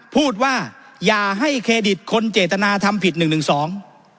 พูดว่าอย่าให้เครดิตคนเจตนาทำผิดหนึ่งหนึ่งสอง